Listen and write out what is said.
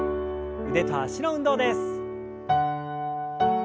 腕と脚の運動です。